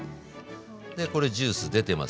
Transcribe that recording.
でこれジュース出てますよね